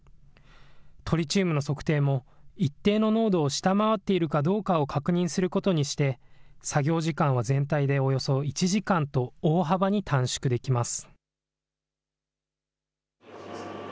トリチウムの測定も一定の濃度を下回っているかどうかを確認することにして、作業時間を全体でおよそ１時間と大幅に短縮できます。